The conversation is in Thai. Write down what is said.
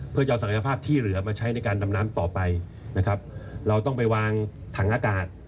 เพื่อจะเอาศักยภาพที่เหลือมาใช้ในการดำน้ำต่อไปนะครับเราต้องไปวางถังอากาศ